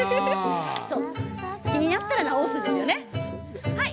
気になったら直すんですよね。